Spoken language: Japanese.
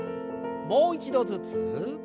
もう一度ずつ。